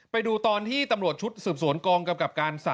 ไปดูตอนที่ตำรวจชุดสืบสวนกองกำกับการ๓